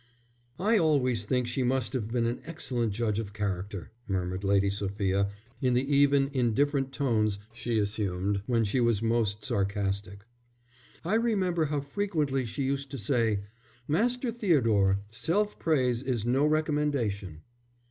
"I always think she must have been an excellent judge of character," murmured Lady Sophia, in the even, indifferent tones she assumed when she was most sarcastic; "I remember how frequently she used to say: 'Master Theodore, self praise is no recommendation.